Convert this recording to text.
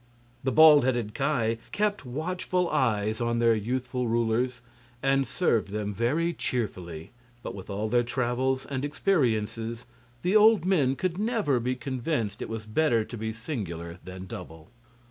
The bald headed Ki kept watchful eyes on their youthful rulers, and served them very cheerfully. But with all their travels and experiences, the old men could never be convinced it was better to be singular than double.